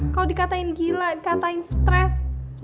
kalau dikatain gila dikatain stres